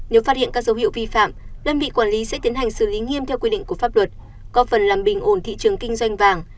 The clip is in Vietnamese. nếu phát hiện các dấu hiệu vi phạm đơn vị quản lý sẽ tiến hành xử lý nghiêm theo quy định của pháp luật có phần làm bình ổn thị trường kinh doanh vàng